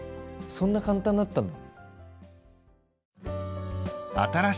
そんな簡単だったんだ。